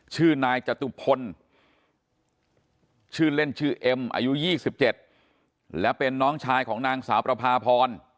ชื่อนายจตุพลชื่อเล่นชื่อเอ็มอายุ๒๗และเป็นน้องชายของนางสาวประพาพร